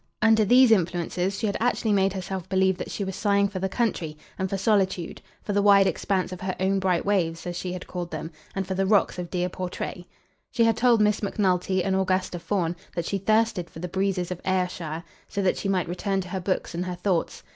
Under these influences she had actually made herself believe that she was sighing for the country, and for solitude; for the wide expanse of her own bright waves, as she had called them, and for the rocks of dear Portray. She had told Miss Macnulty and Augusta Fawn that she thirsted for the breezes of Ayrshire, so that she might return to her books and her thoughts.